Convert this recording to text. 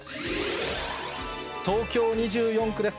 東京２４区です。